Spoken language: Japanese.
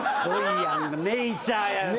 ネイチャーやん。